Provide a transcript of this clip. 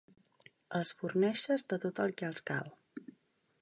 Els forneixes de tot el que els cal.